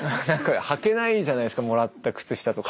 はけないじゃないですかもらった靴下とか。